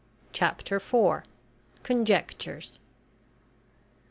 CHAPTER FOUR. CONJECTURES.